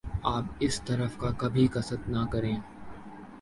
آپ اس طرف کا کبھی قصد نہ کریں ۔